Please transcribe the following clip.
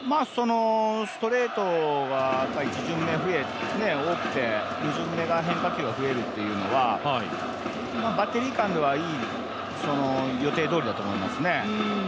ストレートが１巡目多くて２巡目変化球が増えるっていうのはバッテリー間ではいい、予定どおりだと思いますね。